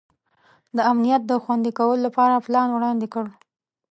د امنیت د خوندي کولو لپاره پلان وړاندي کړ.